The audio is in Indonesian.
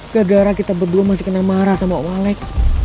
gak gara kita berdua masih kena marah sama owelek